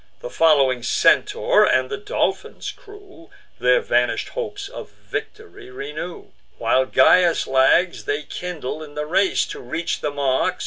The following Centaur, and the Dolphin's crew, Their vanish'd hopes of victory renew; While Gyas lags, they kindle in the race, To reach the mark.